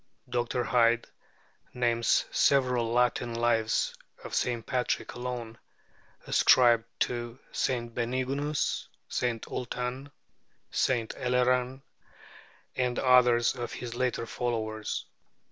Dr. Hyde names several Latin lives of St. Patrick alone, ascribed to St. Benignus, St. Ultan, St. Eleran, and others of his later followers.